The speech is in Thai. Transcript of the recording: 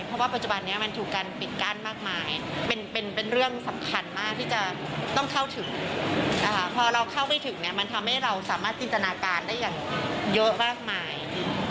เพราะฉะนั้นปลอดภัยรู้สึกว่าถ้าไม่อยากให้เกิดการ